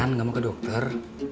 beneran gak mau ke dokter